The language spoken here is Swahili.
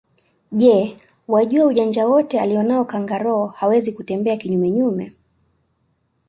Je wajua ujanja wote alonao kangaroo hawezi kutembea kinyume nyume